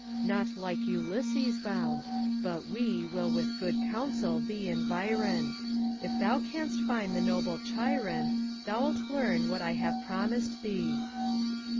Not like Ulysses bound, — ^but we Will witii good counsel thee environ :^ FAUST, If thou canst find the noble Chiron, Thou It learn what I have promised thee.